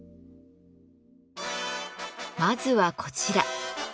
まずはこちら。